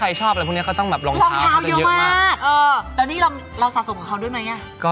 ใครชอบอะไรพวกนี้ก็ต้องบินรองเท้าเยอะมาก